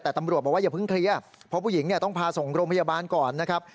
แต่ตำรวจบอกว่าอย่าเพิ่งเคลียร์เพราะผู้หญิงเนี่ยต้องพาส่งโรงพยาบาลก่อนนะครับ